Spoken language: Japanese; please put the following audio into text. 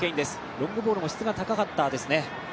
ロングボールも質が高かったですね。